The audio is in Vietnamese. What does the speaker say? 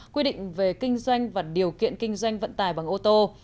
quy định về kinh doanh và điều kiện kinh doanh vận tải bằng ô tô